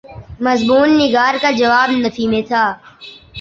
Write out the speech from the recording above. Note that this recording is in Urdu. مضمون نگار کا جواب نفی میں تھا۔